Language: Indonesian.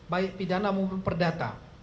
baik pidana umum perdata